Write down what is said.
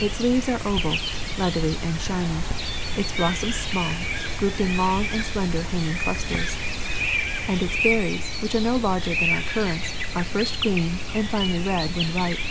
Its leaves are oval, leathery, and shiny; its blossoms small, grouped in long and slender hanging clusters ; 198 SPICES 199 and its berries, which are no larger than our cur rants, are first green, and finally red when ripe.